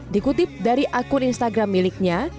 dikutip dari akun instagram miliknya